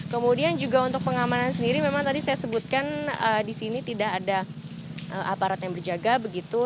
kemudian juga untuk pengamanan sendiri memang tadi saya sebutkan di sini tidak ada aparat yang berjaga begitu